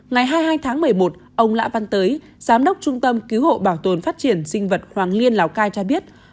ngày hai mươi hai tháng một mươi một ông lã văn tới giám đốc trung tâm cứu hộ bảo tồn phát triển sinh vật hoàng liên lào cai cho biết